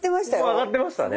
上がってましたよ。